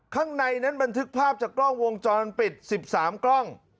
ข้างในนั้นบันทึกภาพจากกล้องวงจรปิด๑๓กล้อง